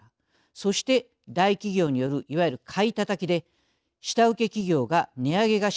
そして大企業によるいわゆる買いタタキで下請け企業が値上げがしにくいから。